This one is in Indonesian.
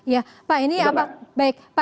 ya pak ini apa baik pak